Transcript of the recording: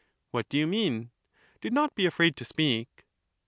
What do you mean ? Do not be afraid to speak.